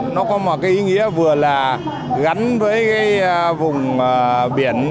nó có một cái ý nghĩa vừa là gắn với vùng biển